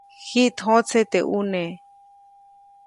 Jiʼt jõtse teʼ ʼune.